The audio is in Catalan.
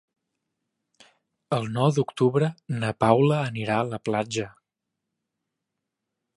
El nou d'octubre na Paula anirà a la platja.